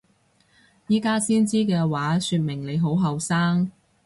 而家先知嘅話說明你好後生！